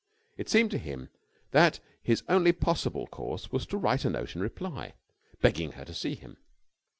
It seemed to him that his only possible course was to write a note in reply, begging her to see him.